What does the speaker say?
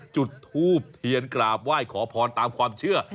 จุดทูบเทียนกราบไหว้ขอพรตามความเชื่อ